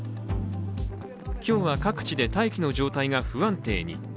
今日は各地で大気の状態が不安定に。